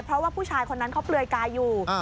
เพราะว่าผู้ชายคนนั้นเขาเปลือยกายอยู่